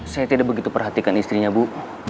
saya tidak begitu perhatikan istrinya bu